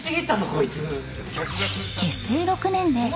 ⁉こいつ。